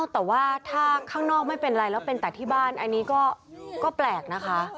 แต่ว่าถ้าข้างนอกไม่เป็นไรแล้วเป็นแต่ที่บ้านอันนี้ก็แปลกนะคะ